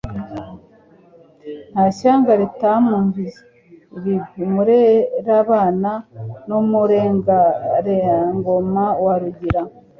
Nta shyanga ritamwumviye ibigwi. Umurerabana n' umurengerangoma wa Rugira,